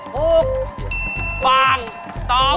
หูป่าขวางตอบ